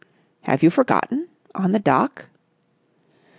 "Have you forgotten? On the dock...."